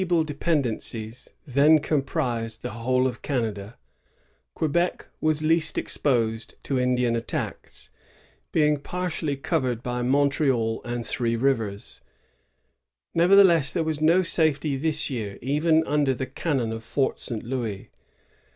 66 THE JESUITS AT ONONDAGA, [165a dependencies, then comprised the whole of Canada, Quebec was least exposed to Indian attacks, being partially covered by Montreal and Three Rivers. Nevertheless, there was no safety this year, even under the cannon of Fort St. Louis.